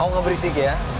oh nggak berisik ya